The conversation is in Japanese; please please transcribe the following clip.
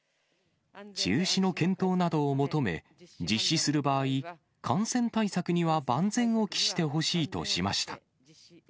中止の検討などを求め、実施する場合、感染対策には万全を期してほしいとしました。